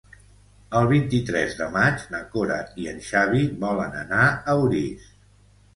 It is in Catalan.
El vint-i-tres de maig na Cora i en Xavi volen anar a Orís.